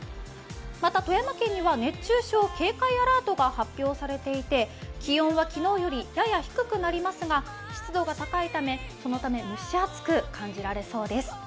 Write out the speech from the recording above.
また富山県には熱中症警戒アラートが発表されていて気温は昨日よりやや低くなりますが、湿度が高いため、蒸し暑く感じられそうです。